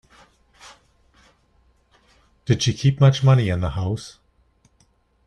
Did she keep much money in the house?